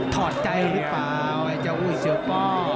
ถอดใจหรือเปล่าไอ้เจ้าอุ้ยเสือป้อ